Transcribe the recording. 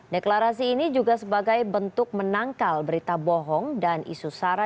deklarasi ini juga sebagai bentuk menangkal berita bohong dan isu sara